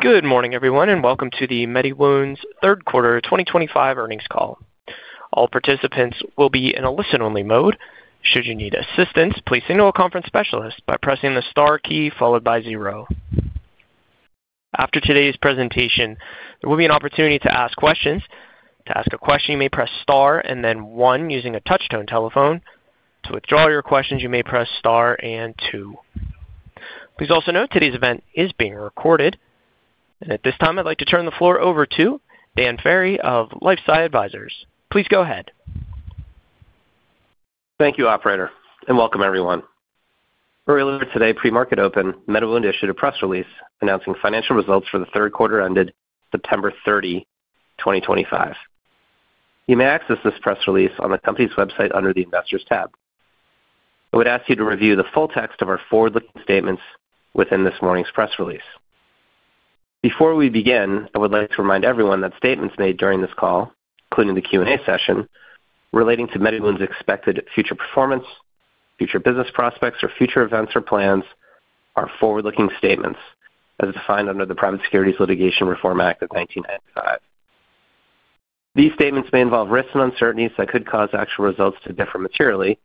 Good morning, everyone, and welcome to the MediWound's third quarter 2025 earnings call. All participants will be in a listen-only mode. Should you need assistance, please signal a conference specialist by pressing the star key followed by zero. After today's presentation, there will be an opportunity to ask questions. To ask a question, you may press star and then one using a touch-tone telephone. To withdraw your questions, you may press star and two. Please also note today's event is being recorded. At this time, I'd like to turn the floor over to Dan Ferry of LifeSci Advisors. Please go ahead. Thank you, Operator, and welcome, everyone. Earlier today, pre-market open, MediWound issued a press release announcing financial results for the third quarter ended September 30, 2025. You may access this press release on the company's website under the Investors tab. I would ask you to review the full text of our forward-looking statements within this morning's press release. Before we begin, I would like to remind everyone that statements made during this call, including the Q&A session relating to MediWound's expected future performance, future business prospects, or future events or plans, are forward-looking statements as defined under the Private Securities Litigation Reform Act of 1995. These statements may involve risks and uncertainties that could cause actual results to differ materially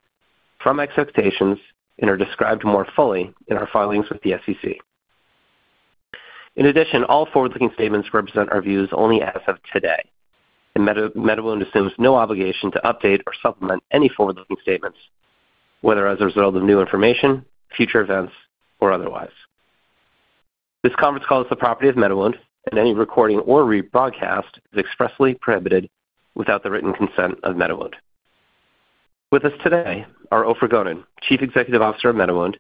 from expectations and are described more fully in our filings with the SEC. In addition, all forward-looking statements represent our views only as of today, and MediWound assumes no obligation to update or supplement any forward-looking statements, whether as a result of new information, future events, or otherwise. This conference call is the property of MediWound, and any recording or rebroadcast is expressly prohibited without the written consent of MediWound. With us today are Ofer Gonen, Chief Executive Officer of MediWound,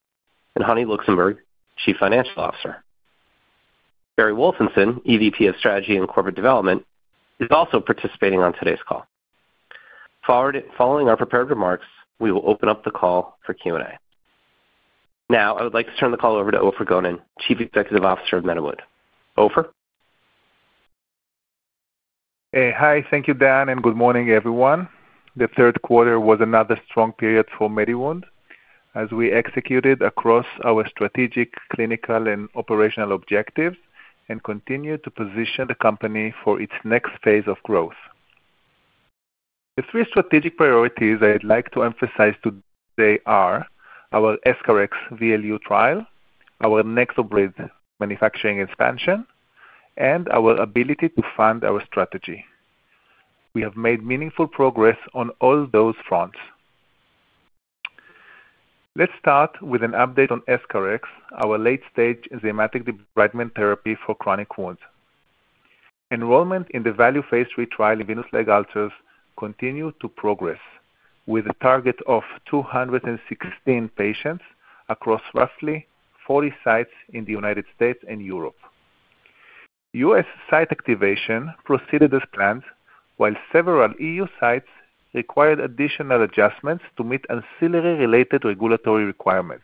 and Hani Luxenburg, Chief Financial Officer. Barry Wolfenson, EVP of Strategy and Corporate Development, is also participating on today's call. Following our prepared remarks, we will open up the call for Q&A. Now, I would like to turn the call over to Ofer Gonen, Chief Executive Officer of MediWound. Ofer? Hi. Thank you, Dan, and good morning, everyone. The third quarter was another strong period for MediWound as we executed across our strategic, clinical, and operational objectives and continued to position the company for its next phase of growth. The three strategic priorities I'd like to emphasize today are our EscharEx VLU trial, our NexoBrid manufacturing expansion, and our ability to fund our strategy. We have made meaningful progress on all those fronts. Let's start with an update on EscharEx, our late-stage zymatic debridement therapy for chronic wounds. Enrollment in the VALUE Phase III trial in venous leg ulcers continued to progress, with a target of 216 patients across roughly 40 sites in the United States and Europe. U.S. site activation proceeded as planned, while several E.U. sites required additional adjustments to meet ancillary-related regulatory requirements.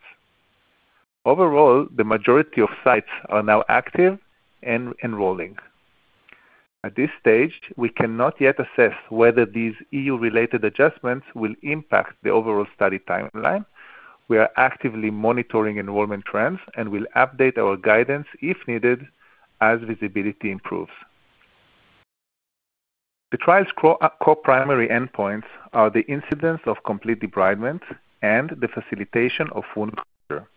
Overall, the majority of sites are now active and enrolling. At this stage, we cannot yet assess whether these E.U.-related adjustments will impact the overall study timeline. We are actively monitoring enrollment trends and will update our guidance if needed as visibility improves. The trial's core primary endpoints are the incidence of complete debridement and the facilitation of wound closure,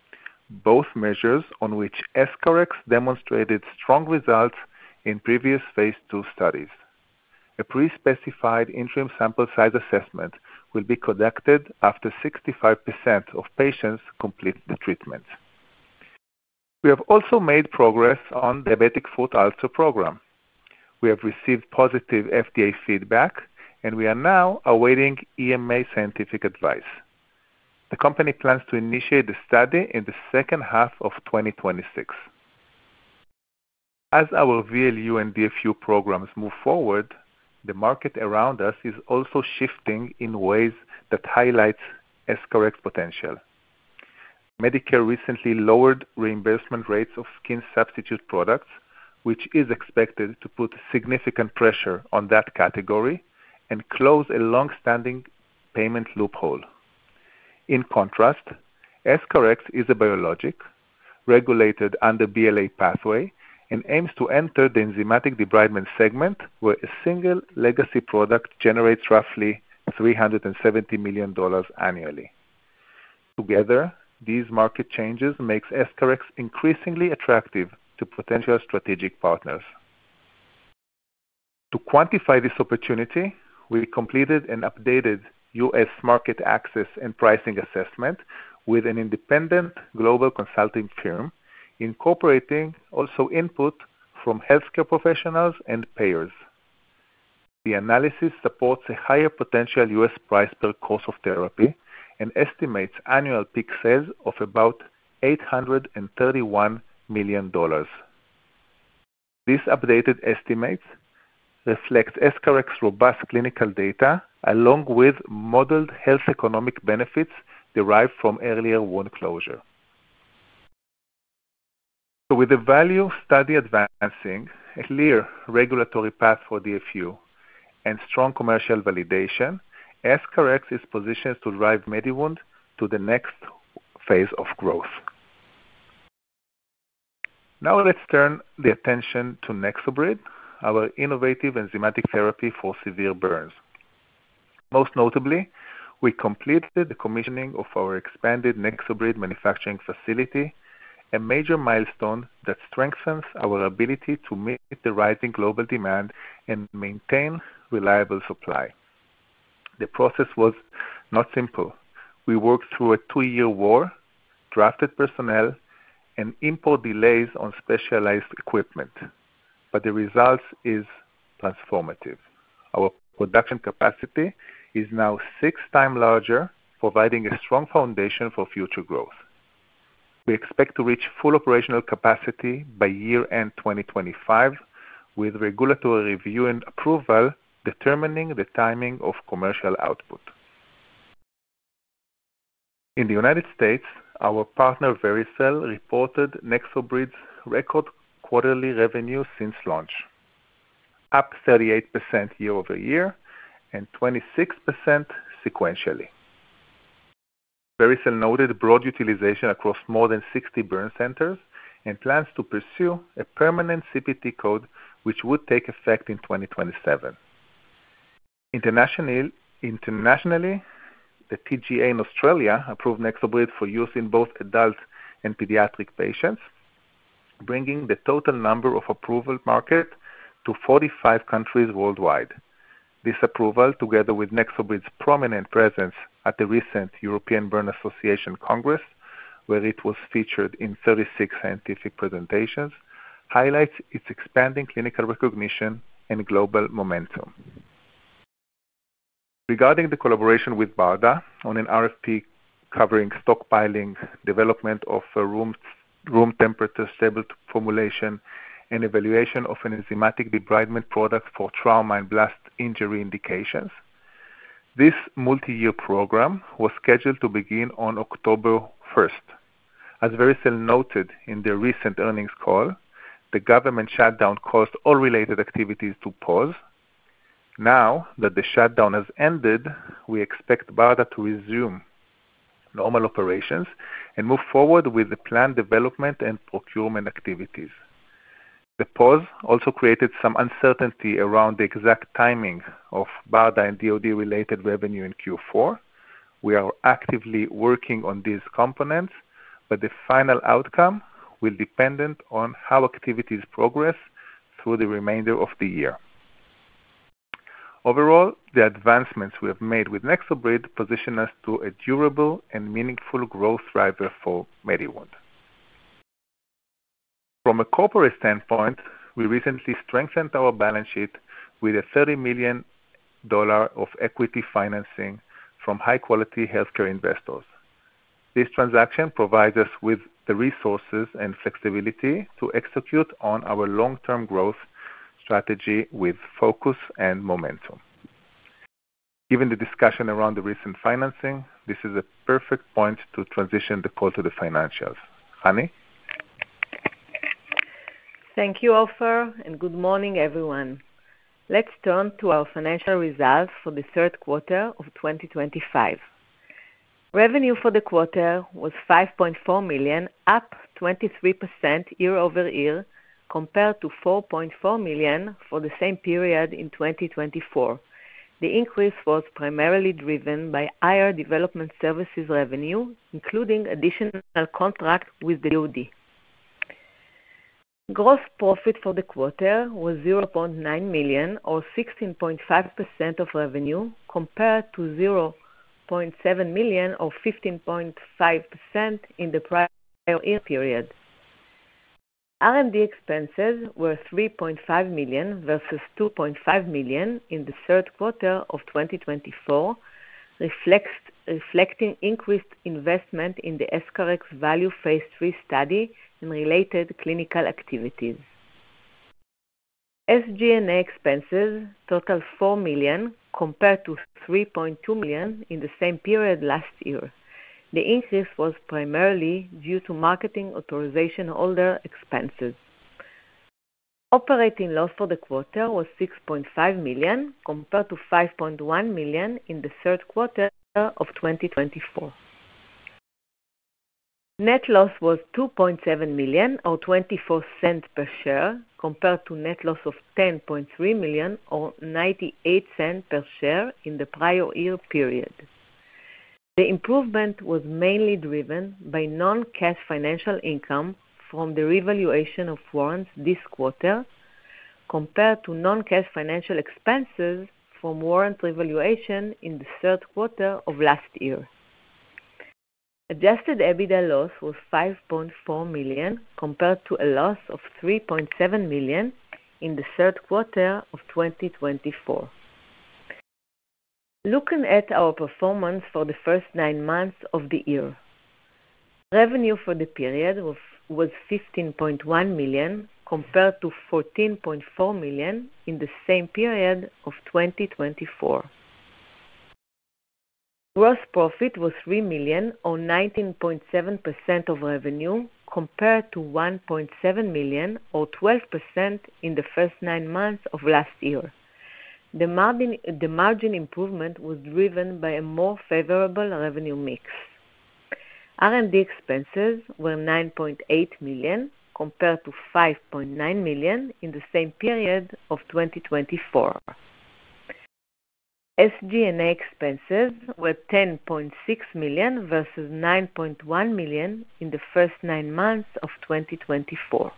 both measures on which EscharEx demonstrated strong results in previous phase two studies. A pre-specified interim sample size assessment will be conducted after 65% of patients complete the treatment. We have also made progress on the diabetic foot ulcer program. We have received positive FDA feedback, and we are now awaiting EMA scientific advice. The company plans to initiate the study in the second half of 2026. As our VLU and DFU programs move forward, the market around us is also shifting in ways that highlight EscharEx potential. Medicare recently lowered reimbursement rates of skin substitute products, which is expected to put significant pressure on that category and close a long-standing payment loophole. In contrast, EscharEx is a biologic regulated under BLA pathway and aims to enter the enzymatic debridement segment where a single legacy product generates roughly $370 million annually. Together, these market changes make EscharEx increasingly attractive to potential strategic partners. To quantify this opportunity, we completed an updated U.S. market access and pricing assessment with an independent global consulting firm, incorporating also input from healthcare professionals and payers. The analysis supports a higher potential U.S. price per course of therapy and estimates annual peak sales of about $831 million. These updated estimates reflect EscharEx's robust clinical data along with modeled health economic benefits derived from earlier wound closure. With the VALUE study advancing, a clear regulatory path for DFU, and strong commercial validation, EscharEx is positioned to drive MediWound to the next phase of growth. Now, let's turn the attention to NexoBrid, our innovative enzymatic therapy for severe burns. Most notably, we completed the commissioning of our expanded NexoBrid manufacturing facility, a major milestone that strengthens our ability to meet the rising global demand and maintain reliable supply. The process was not simple. We worked through a two-year war, drafted personnel, and import delays on specialized equipment, but the result is transformative. Our production capacity is now six times larger, providing a strong foundation for future growth. We expect to reach full operational capacity by year-end 2025, with regulatory review and approval determining the timing of commercial output. In the United States, our partner Vericel reported NexoBrid's record quarterly revenue since launch: up 38% year-over-year and 26% sequentially. Vericel noted broad utilization across more than 60 burn centers and plans to pursue a permanent CPT code, which would take effect in 2027. Internationally, the TGA in Australia approved NexoBrid for use in both adult and pediatric patients, bringing the total number of approvals to 45 countries worldwide. This approval, together with NexoBrid's prominent presence at the recent European Burn Association Congress, where it was featured in 36 scientific presentations, highlights its expanding clinical recognition and global momentum. Regarding the collaboration with BARDA on an RFP covering stockpiling, development of room temperature-stable formulation, and evaluation of enzymatic debridement products for trauma and blast injury indications, this multi-year program was scheduled to begin on October 1st. As Vericel noted in their recent earnings call, the government shutdown caused all related activities to pause. Now that the shutdown has ended, we expect BARDA to resume normal operations and move forward with the planned development and procurement activities. The pause also created some uncertainty around the exact timing of BARDA and DOD-related revenue in Q4. We are actively working on these components, but the final outcome will depend on how activities progress through the remainder of the year. Overall, the advancements we have made with NexoBrid position us to a durable and meaningful growth driver for MediWound. From a corporate standpoint, we recently strengthened our balance sheet with a $30 million of equity financing from high-quality healthcare investors. This transaction provides us with the resources and flexibility to execute on our long-term growth strategy with focus and momentum. Given the discussion around the recent financing, this is a perfect point to transition the call to the financials. Hani? Thank you, Ofer, and good morning, everyone. Let's turn to our financial results for the third quarter of 2025. Revenue for the quarter was $5.4 million, up 23% year-over-year, compared to $4.4 million for the same period in 2024. The increase was primarily driven by higher development services revenue, including additional contracts with DOD. Gross profit for the quarter was $0.9 million, or 16.5% of revenue, compared to $0.7 million, or 15.5% in the prior year period. R&D expenses were $3.5 million versus $2.5 million in the third quarter of 2024, reflecting increased investment in the EscharEx VALUE Phase III study and related clinical activities. SG&A expenses totaled $4 million, compared to $3.2 million in the same period last year. The increase was primarily due to marketing authorization holder expenses. Operating loss for the quarter was $6.5 million, compared to $5.1 million in the third quarter of 2024. Net loss was $2.7 million, or $0.24 per share, compared to net loss of $10.3 million, or $0.98 per share in the prior year period. The improvement was mainly driven by non-cash financial income from the revaluation of warrants this quarter, compared to non-cash financial expenses from warrant revaluation in the third quarter of last year. Adjusted EBITDA loss was $5.4 million, compared to a loss of $3.7 million in the third quarter of 2024. Looking at our performance for the first nine months of the year, revenue for the period was $15.1 million, compared to $14.4 million in the same period of 2024. Gross profit was $3 million, or 19.7% of revenue, compared to $1.7 million, or 12% in the first nine months of last year. The margin improvement was driven by a more favorable revenue mix. R&D expenses were $9.8 million, compared to $5.9 million in the same period of 2024. SG&A expenses were $10.6 million versus $9.1 million in the first nine months of 2024.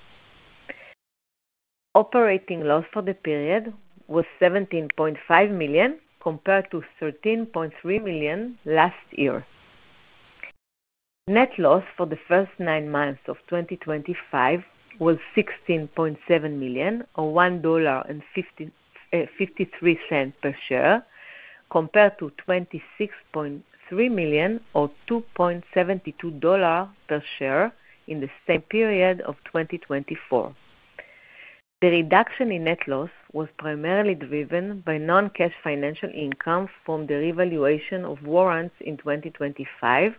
Operating loss for the period was $17.5 million, compared to $13.3 million last year. Net loss for the first nine months of 2025 was $16.7 million, or $1.53 per share, compared to $26.3 million, or $2.72 per share in the same period of 2024. The reduction in net loss was primarily driven by non-cash financial income from the revaluation of warrants in 2025,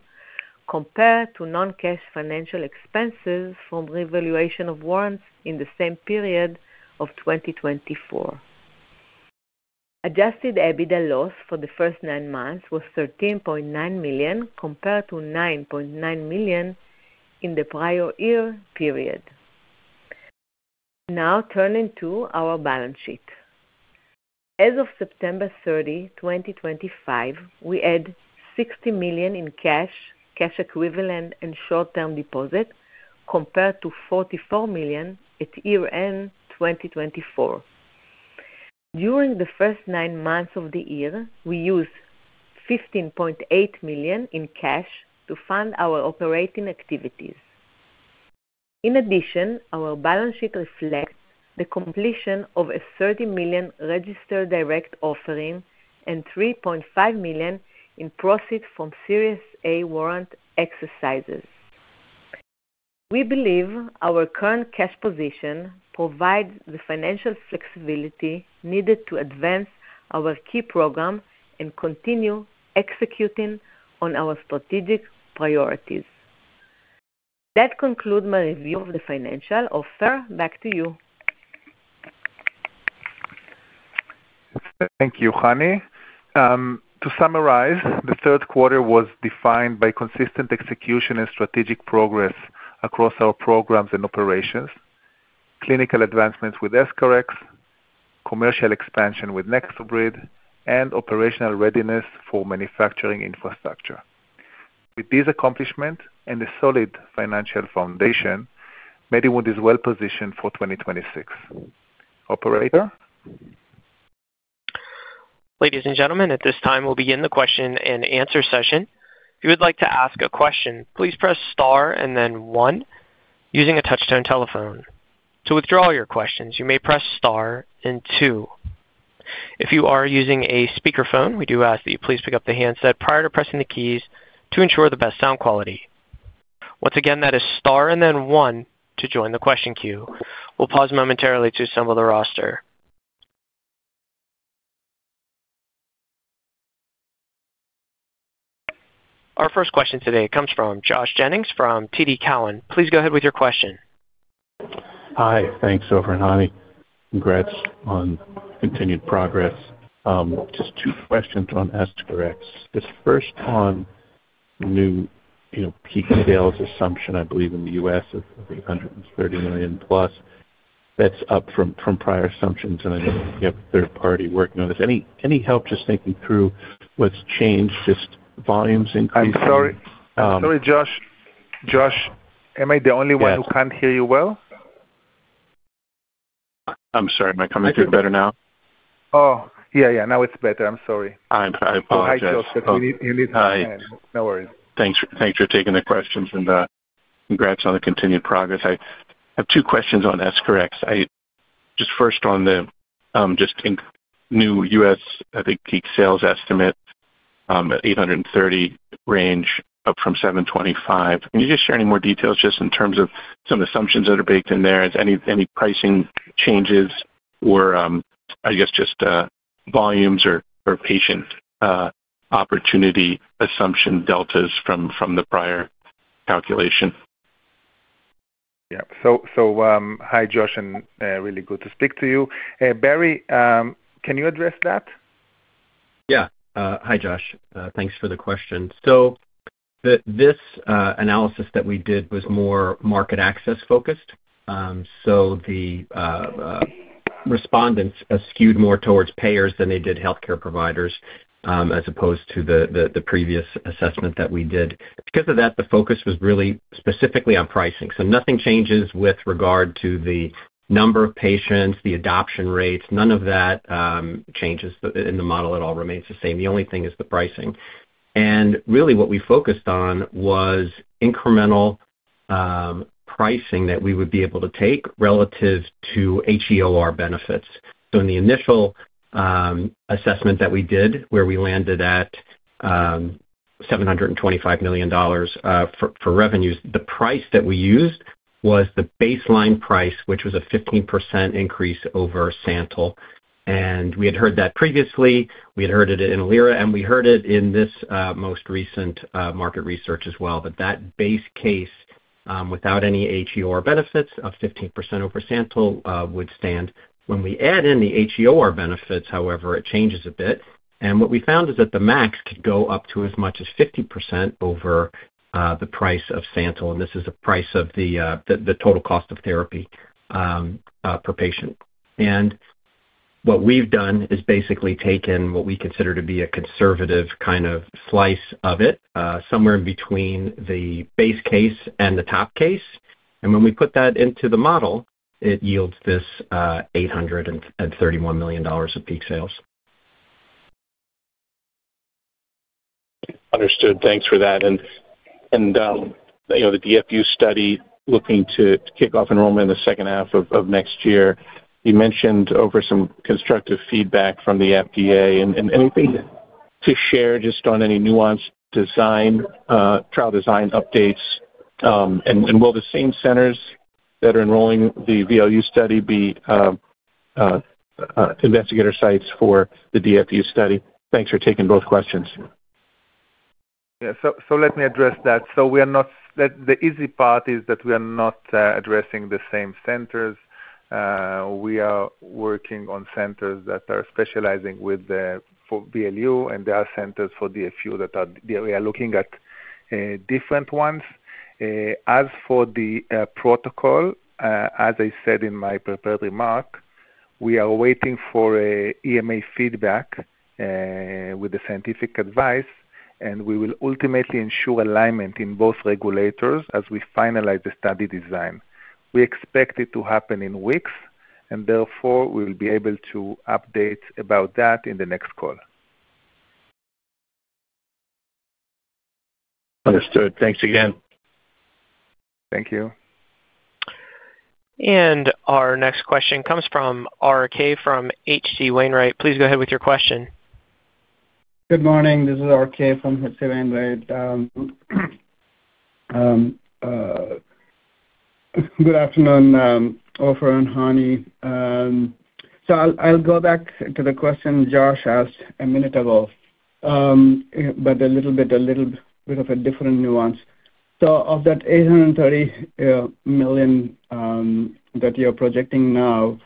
compared to non-cash financial expenses from revaluation of warrants in the same period of 2024. Adjusted EBITDA loss for the first nine months was $13.9 million, compared to $9.9 million in the prior year period. Now, turning to our balance sheet. As of September 30, 2025, we had $60 million in cash, cash equivalent, and short-term deposit, compared to $44 million at year-end 2024. During the first nine months of the year, we used $15.8 million in cash to fund our operating activities. In addition, our balance sheet reflects the completion of a $30 million registered direct offering and $3.5 million in profit from Series A warrant exercises. We believe our current cash position provides the financial flexibility needed to advance our key program and continue executing on our strategic priorities. That concludes my review of the financials. Ofer, back to you. Thank you, Hani. To summarize, the third quarter was defined by consistent execution and strategic progress across our programs and operations, clinical advancements with EscharEx, commercial expansion with NexoBrid, and operational readiness for manufacturing infrastructure. With these accomplishments and a solid financial foundation, MediWound is well-positioned for 2026. Operator? Ladies and gentlemen, at this time, we'll begin the question-and-answer session. If you would like to ask a question, please press star and then one using a touch-tone telephone. To withdraw your questions, you may press star and two. If you are using a speakerphone, we do ask that you please pick up the handset prior to pressing the keys to ensure the best sound quality. Once again, that is star and then one to join the question queue. We'll pause momentarily to assemble the roster. Our first question today comes from Josh Jennings from TD Cowen. Please go ahead with your question. Hi. Thanks, Ofer, and Hani. Congrats on continued progress. Just two questions on EscharEx. This first one, new peak sales assumption, I believe, in the U.S. of $830 million+. That's up from prior assumptions, and I know you have a third party working on this. Any help just thinking through what's changed, just volumes increased? I'm sorry. Sorry, Josh. Josh, am I the only one who can't hear you well? I'm sorry. Am I coming through better now? Oh, yeah, yeah. Now it's better. I'm sorry. I apologize. Hi, Josh. You need help? Hi. No worries. Thanks for taking the questions, and congrats on the continued progress. I have two questions on EscharEx. Just first on the just new U.S., I think, peak sales estimate, $830 million range, up from $725 million. Can you just share any more details just in terms of some assumptions that are baked in there? Any pricing changes or, I guess, just volumes or patient opportunity assumption deltas from the prior calculation? Yeah. Hi, Josh, and really good to speak to you. Barry, can you address that? Yeah. Hi, Josh. Thanks for the question. This analysis that we did was more market access-focused. The respondents skewed more towards payers than they did healthcare providers, as opposed to the previous assessment that we did. Because of that, the focus was really specifically on pricing. Nothing changes with regard to the number of patients, the adoption rates. None of that changes in the model. It all remains the same. The only thing is the pricing. Really, what we focused on was incremental pricing that we would be able to take relative to HEOR benefits. In the initial assessment that we did, where we landed at $725 million for revenues, the price that we used was the baseline price, which was a 15% increase over SANTYL. We had heard that previously. We had heard it in Lior, and we heard it in this most recent market research as well. That base case without any HEOR benefits of 15% over SANTYL would stand. When we add in the HEOR benefits, however, it changes a bit. What we found is that the max could go up to as much as 50% over the price of SANTYL. This is the price of the total cost of therapy per patient. What we've done is basically taken what we consider to be a conservative kind of slice of it, somewhere in between the base case and the top case. When we put that into the model, it yields this $831 million of peak sales. Understood. Thanks for that. The DFU study looking to kick off enrollment in the second half of next year, you mentioned over some constructive feedback from the FDA. Anything to share just on any nuanced design, trial design updates? Will the same centers that are enrolling the VLU study be investigator sites for the DFU study? Thanks for taking both questions. Yeah. Let me address that. We are not—the easy part is that we are not addressing the same centers. We are working on centers that are specializing with VLU, and there are centers for DFU that are—we are looking at different ones. As for the protocol, as I said in my prepared remark, we are waiting for EMA feedback with the scientific advice, and we will ultimately ensure alignment in both regulators as we finalize the study design. We expect it to happen in weeks, and therefore, we will be able to update about that in the next call. Understood. Thanks again. Thank you. Our next question comes from R.K. from H.C. Wainwright. Please go ahead with your question. Good morning. This is R.K. from H.C. Wainwright. Good afternoon, Ofer, and Hani. I will go back to the question Josh asked a minute ago, but a little bit of a different nuance. Of that $830 million that you are projecting now,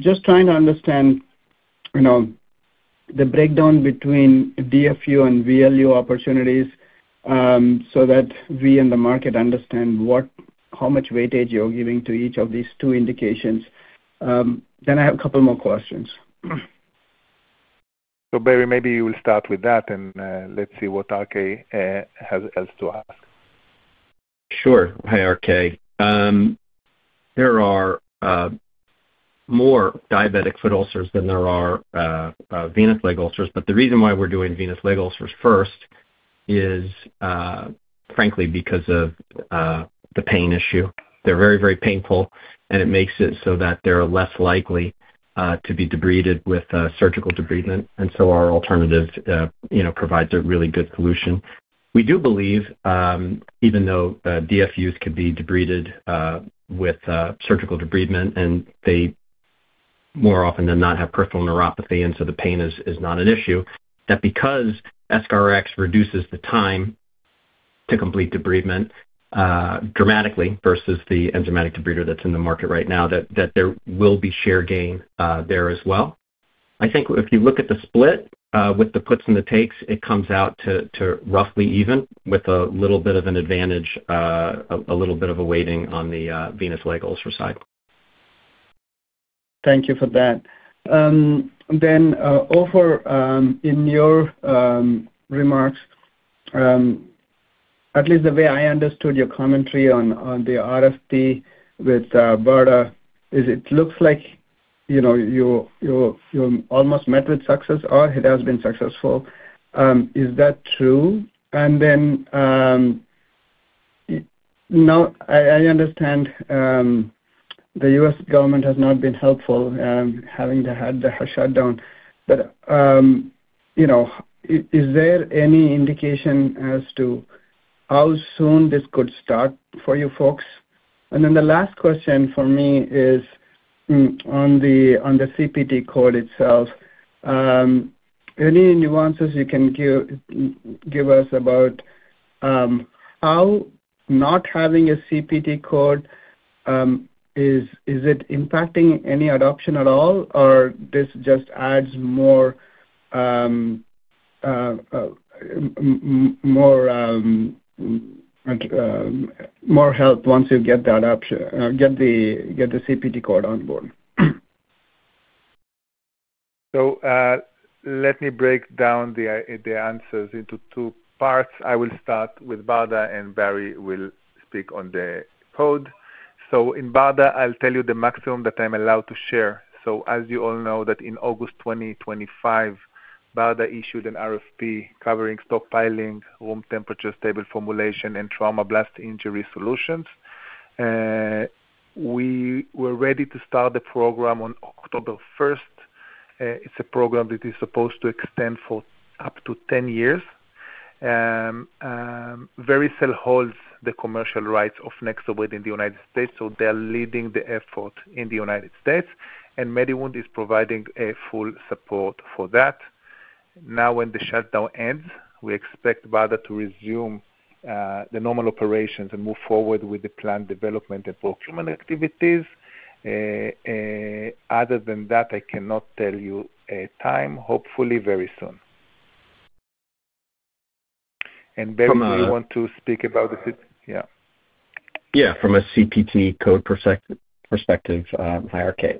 just trying to understand the breakdown between DFU and VLU opportunities so that we and the market understand how much weightage you are giving to each of these two indications. I have a couple more questions. Barry, maybe you will start with that, and let's see what R.K. has else to ask. Sure. Hi, R.K. There are more diabetic foot ulcers than there are venous leg ulcers. The reason why we're doing venous leg ulcers first is, frankly, because of the pain issue. They're very, very painful, and it makes it so that they're less likely to be debrided with surgical debridement. Our alternative provides a really good solution. We do believe, even though DFUs could be debrided with surgical debridement, and they more often than not have peripheral neuropathy, and so the pain is not an issue, that because EscharEx reduces the time to complete debridement dramatically versus the enzymatic debrider that's in the market right now, that there will be share gain there as well. I think if you look at the split with the puts and the takes, it comes out to roughly even with a little bit of an advantage, a little bit of a weighting on the venous leg ulcer side. Thank you for that. Ofer, in your remarks, at least the way I understood your commentary on the RFP with BARDA, it looks like you almost met with success or it has been successful. Is that true? I understand the U.S. government has not been helpful having had the shutdown. Is there any indication as to how soon this could start for you folks? The last question for me is on the CPT code itself. Any nuances you can give us about how not having a CPT code, is it impacting any adoption at all, or does this just add more help once you get the adoption, get the CPT code on board? Let me break down the answers into two parts. I will start with BARDA, and Barry will speak on the code. In BARDA, I'll tell you the maximum that I'm allowed to share. As you all know, in August 2025, BARDA issued an RFP covering stockpiling, room temperature stable formulation, and trauma blast injury solutions. We were ready to start the program on October 1st. It's a program that is supposed to extend for up to 10 years. Vericel holds the commercial rights of NexoBrid in the United States, so they're leading the effort in the United States, and MediWound is providing full support for that. Now, when the shutdown ends, we expect BARDA to resume the normal operations and move forward with the planned development and procurement activities. Other than that, I cannot tell you a time. Hopefully, very soon. Barry, do you want to speak about the CPT? Yeah. From a CPT code perspective, hi R.K.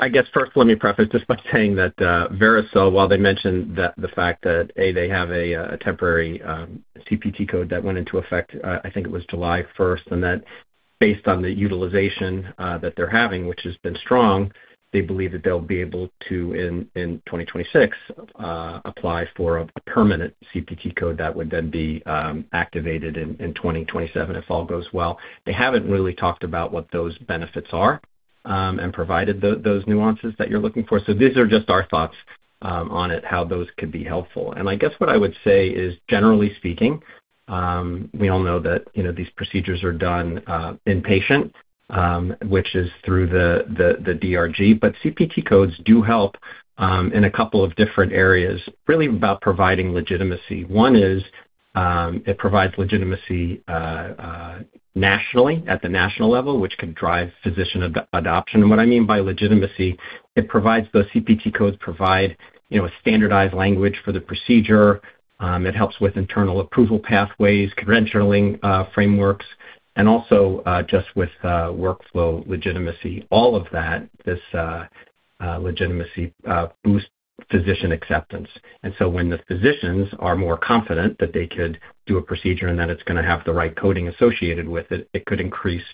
I guess first, let me preface this by saying that Vericel, while they mentioned the fact that, A, they have a temporary CPT code that went into effect, I think it was July 1st, and that based on the utilization that they're having, which has been strong, they believe that they'll be able to, in 2026, apply for a permanent CPT code that would then be activated in 2027 if all goes well. They haven't really talked about what those benefits are and provided those nuances that you're looking for. These are just our thoughts on it, how those could be helpful. I guess what I would say is, generally speaking, we all know that these procedures are done inpatient, which is through the DRG, but CPT codes do help in a couple of different areas, really about providing legitimacy. One is it provides legitimacy nationally at the national level, which can drive physician adoption. What I mean by legitimacy, it provides those CPT codes provide a standardized language for the procedure. It helps with internal approval pathways, conventional frameworks, and also just with workflow legitimacy. All of that, this legitimacy boosts physician acceptance. When the physicians are more confident that they could do a procedure and that it's going to have the right coding associated with it, it could increase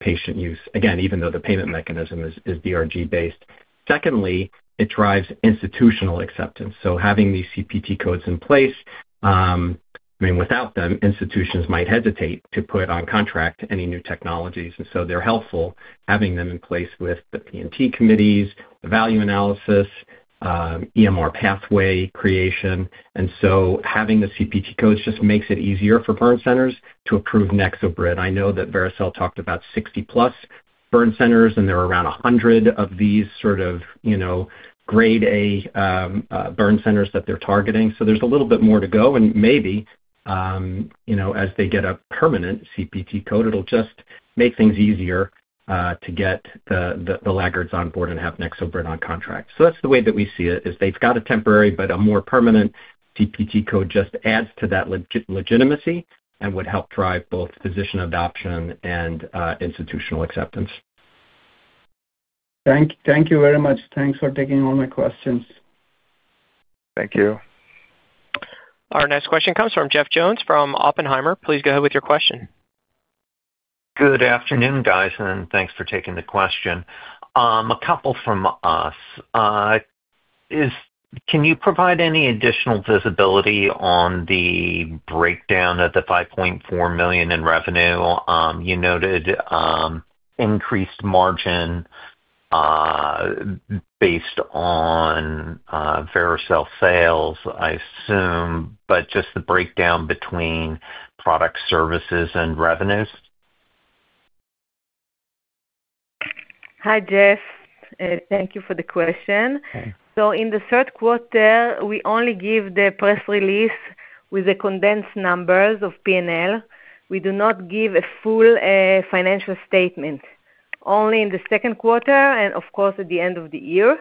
patient use, again, even though the payment mechanism is DRG-based. Secondly, it drives institutional acceptance. Having these CPT codes in place, I mean, without them, institutions might hesitate to put on contract any new technologies. They are helpful having them in place with the P&T committees, the value analysis, EMR pathway creation. Having the CPT codes just makes it easier for burn centers to approve NexoBrid. I know that Vericel talked about 60+ burn centers, and there are around 100 of these sort of grade A burn centers that they're targeting. There is a little bit more to go. Maybe as they get a permanent CPT code, it'll just make things easier to get the laggards on board and have NexoBrid on contract. That is the way that we see it, is they've got a temporary, but a more permanent CPT code just adds to that legitimacy and would help drive both physician adoption and institutional acceptance. Thank you very much. Thanks for taking all my questions. Thank you. Our next question comes from Jeff Jones from Oppenheimer. Please go ahead with your question. Good afternoon, guys, and thanks for taking the question. A couple from us. Can you provide any additional visibility on the breakdown of the $5.4 million in revenue? You noted increased margin based on Vericel sales, I assume, but just the breakdown between product, services, and revenues? Hi, Jeff. Thank you for the question. In the third quarter, we only give the press release with the condensed numbers of P&L. We do not give a full financial statement, only in the second quarter and, of course, at the end of the year.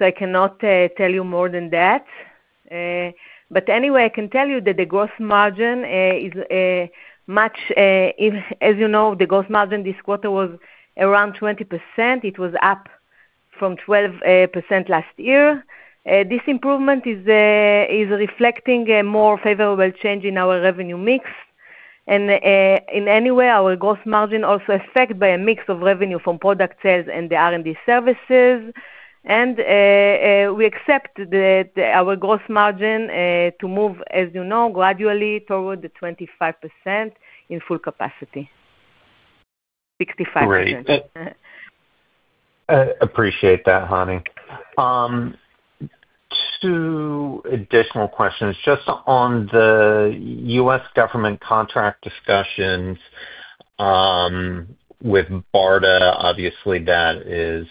I cannot tell you more than that. Anyway, I can tell you that the gross margin is much, as you know, the gross margin this quarter was around 20%. It was up from 12% last year. This improvement is reflecting a more favorable change in our revenue mix. In any way, our gross margin also is affected by a mix of revenue from product sales and the R&D services. We expect our gross margin to move, as you know, gradually toward the 25% in full capacity, 65%. Great. Appreciate that, Hani. Two additional questions. Just on the U.S. government contract discussions with BARDA, obviously, that is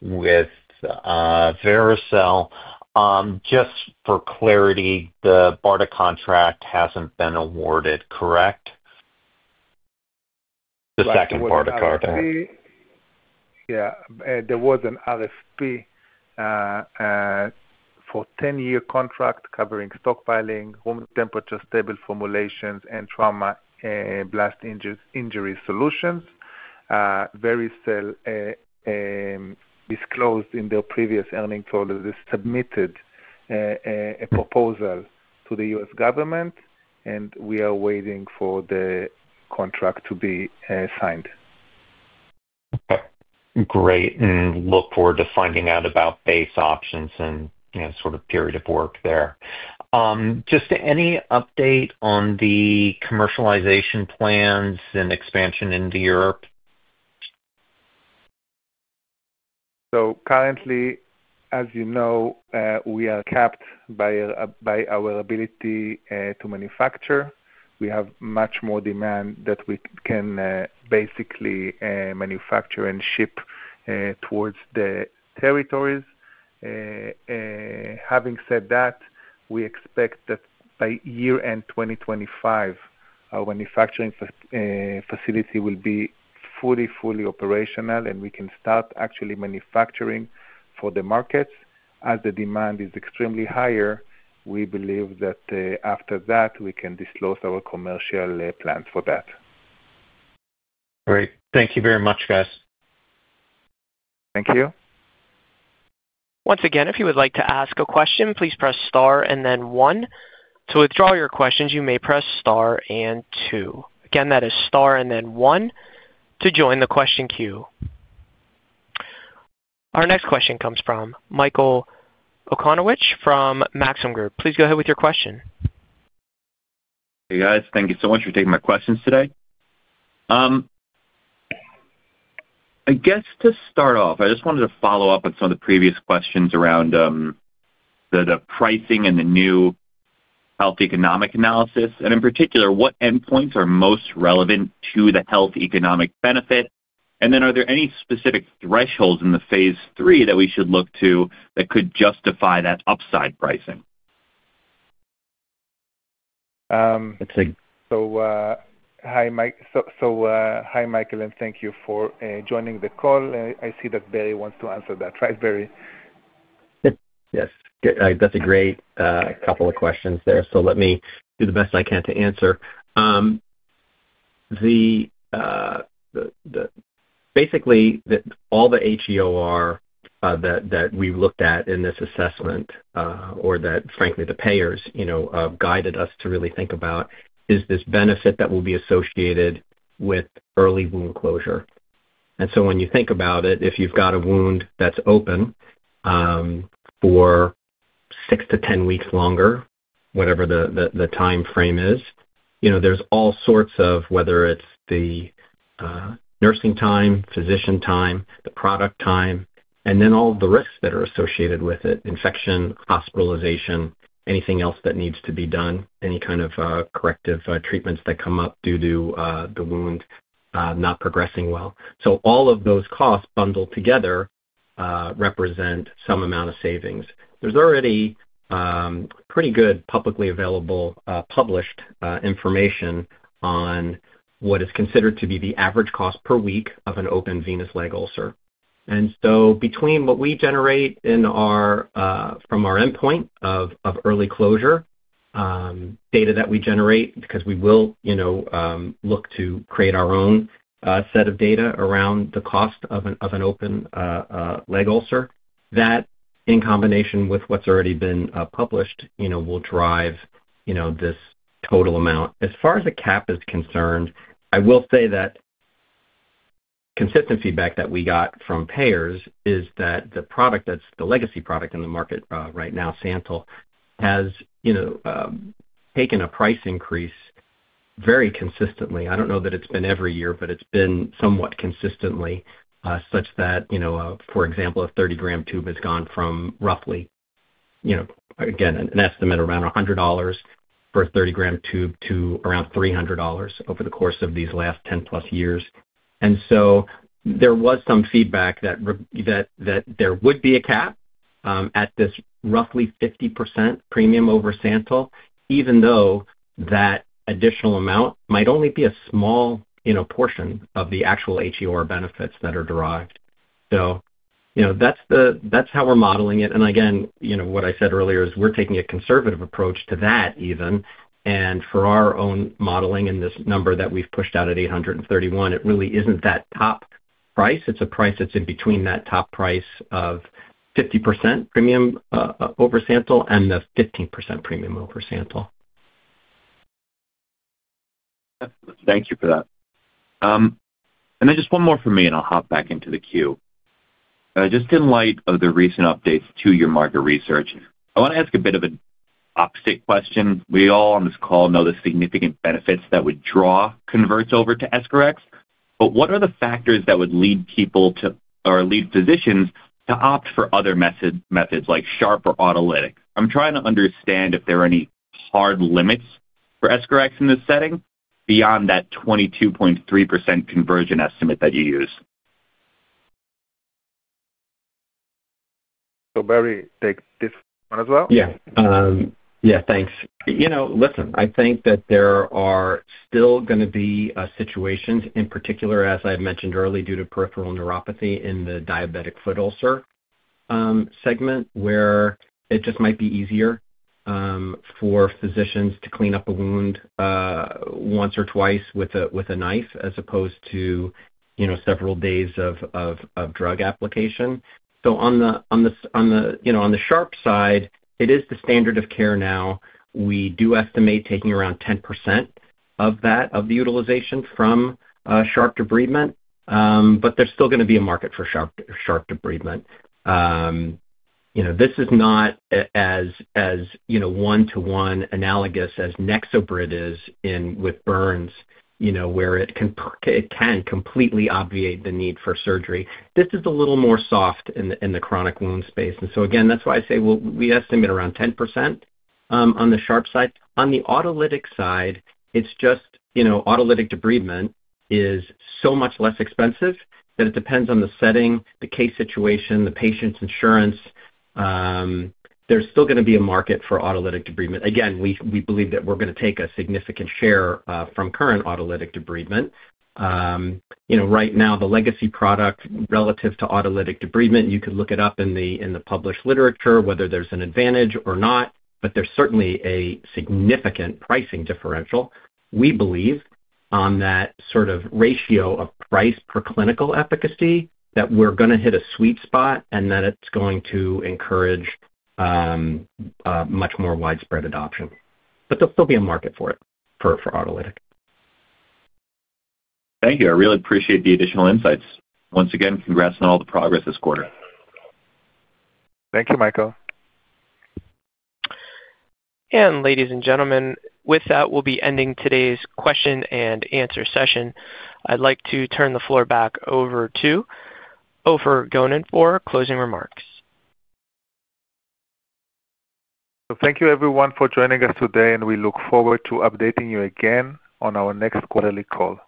with Vericel. Just for clarity, the BARDA contract hasn't been awarded, correct? The second BARDA contract. Yeah. There was an RFP for a 10-year contract covering stockpiling, room temperature stable formulations, and trauma blast injury solutions. Vericel disclosed in their previous earnings that they submitted a proposal to the U.S. government, and we are waiting for the contract to be signed. Great. I look forward to finding out about base options and sort of period of work there. Just any update on the commercialization plans and expansion into Europe? Currently, as you know, we are capped by our ability to manufacture. We have much more demand than we can basically manufacture and ship towards the territories. Having said that, we expect that by year-end 2025, our manufacturing facility will be fully, fully operational, and we can start actually manufacturing for the markets. As the demand is extremely higher, we believe that after that, we can disclose our commercial plans for that. Great. Thank you very much, guys. Thank you. Once again, if you would like to ask a question, please press star and then one. To withdraw your questions, you may press star and two. Again, that is star and then one to join the question queue. Our next question comes from Michael Okunewitch from Maxim Group. Please go ahead with your question. Hey, guys. Thank you so much for taking my questions today. I guess to start off, I just wanted to follow up on some of the previous questions around the pricing and the new health economic analysis. In particular, what endpoints are most relevant to the health economic benefit? Are there any specific thresholds in the phase three that we should look to that could justify that upside pricing? Let's see. Hi, Michael. Thank you for joining the call. I see that Barry wants to answer that. Right, Barry? Yes. That's a great couple of questions there. Let me do the best I can to answer. Basically, all the HEOR that we looked at in this assessment, or that, frankly, the payers guided us to really think about, is this benefit that will be associated with early wound closure. When you think about it, if you've got a wound that's open for six to 10 weeks longer, whatever the time frame is, there's all sorts of whether it's the nursing time, physician time, the product time, and then all the risks that are associated with it: infection, hospitalization, anything else that needs to be done, any kind of corrective treatments that come up due to the wound not progressing well. All of those costs bundled together represent some amount of savings. There's already pretty good publicly available published information on what is considered to be the average cost per week of an open venous leg ulcer. Between what we generate from our endpoint of early closure, data that we generate, because we will look to create our own set of data around the cost of an open leg ulcer, that in combination with what's already been published will drive this total amount. As far as the cap is concerned, I will say that consistent feedback that we got from payers is that the product that's the legacy product in the market right now, SANTYL, has taken a price increase very consistently. I don't know that it's been every year, but it's been somewhat consistently such that, for example, a 30 g tube has gone from roughly, again, an estimate around $100 for a 30 g tube to around $300 over the course of these last 10+ years. There was some feedback that there would be a cap at this roughly 50% premium over SANTYL, even though that additional amount might only be a small portion of the actual HEOR benefits that are derived. That's how we're modeling it. What I said earlier is we're taking a conservative approach to that even. For our own modeling and this number that we've pushed out at 831, it really isn't that top price. It's a price that's in between that top price of 50% premium over SANTYL and the 15% premium over SANTYL. Thank you for that. Just one more from me, and I'll hop back into the queue. In light of the recent updates to your market research, I want to ask a bit of an opposite question. We all on this call know the significant benefits that would draw converts over to EscharEx. What are the factors that would lead people or lead physicians to opt for other methods like sharp or autolytic? I'm trying to understand if there are any hard limits for EscharEx in this setting beyond that 22.3% conversion estimate that you use. Barry, take this one as well. Yeah. Yeah. Thanks. Listen, I think that there are still going to be situations, in particular, as I mentioned earlier, due to peripheral neuropathy in the diabetic foot ulcer segment, where it just might be easier for physicians to clean up a wound once or twice with a knife as opposed to several days of drug application. On the sharp side, it is the standard of care now. We do estimate taking around 10% of that of the utilization from sharp debridement, but there's still going to be a market for sharp debridement. This is not as one-to-one analogous as NexoBrid is with burns, where it can completely obviate the need for surgery. This is a little more soft in the chronic wound space. Again, that's why I say we estimate around 10% on the sharp side. On the Autolytic side, it's just Autolytic debridement is so much less expensive that it depends on the setting, the case situation, the patient's insurance. There's still going to be a market for Autolytic debridement. Again, we believe that we're going to take a significant share from current Autolytic debridement. Right now, the legacy product relative to Autolytic debridement, you could look it up in the published literature, whether there's an advantage or not, but there's certainly a significant pricing differential, we believe, on that sort of ratio of price per clinical efficacy that we're going to hit a sweet spot and that it's going to encourage much more widespread adoption. There'll still be a market for it for Autolytic. Thank you. I really appreciate the additional insights. Once again, congrats on all the progress this quarter. Thank you, Michael. Ladies and gentlemen, with that, we will be ending today's question and answer session. I'd like to turn the floor back over to Ofer Gonen for closing remarks. Thank you, everyone, for joining us today, and we look forward to updating you again on our next quarterly call.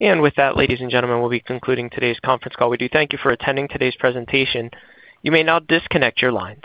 With that, ladies and gentlemen, we will be concluding today's conference call. We do thank you for attending today's presentation. You may now disconnect your lines.